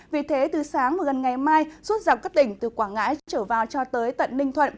vì thế từ sáng và gần ngày mai suốt dọc các tỉnh từ quảng ngãi trở vào cho tới tận ninh thuận